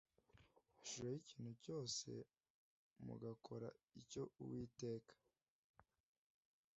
ishusho y ikintu cyose mugakora icyo Uwiteka